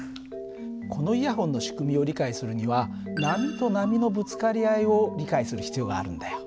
このイヤホンの仕組みを理解するには波と波のぶつかり合いを理解する必要があるんだよ。